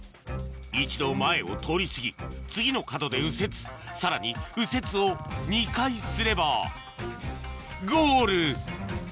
一度前を通り過ぎ次の角で右折さらに右折を２回すればゴール！